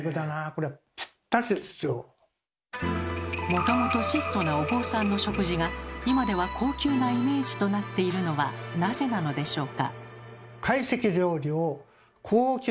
これはもともと質素なお坊さんの食事が今では高級なイメージとなっているのはなぜなのでしょうか？